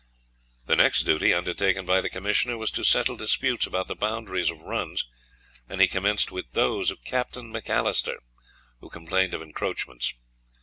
The next duty undertaken by the commissioner was to settle disputes about the boundaries of runs, and he commenced with those of Captain Macalister, who complained of encroachments.